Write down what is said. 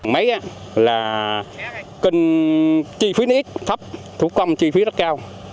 máy là chi phí ít thấp thu công chi phí rất cao